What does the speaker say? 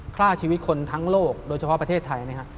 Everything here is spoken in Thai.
ฆ่าชีวิตคนทั้งโลกโดยเฉพาะประเทศไทยนะครับ